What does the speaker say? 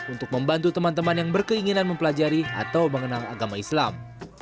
untuk membantu teman teman yang berkeinginan mempelajari atau mengenal agama islam